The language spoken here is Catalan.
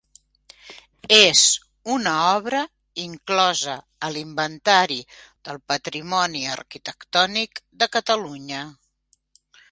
És una obra inclosa a l'Inventari del Patrimoni Arquitectònic de Catalunya.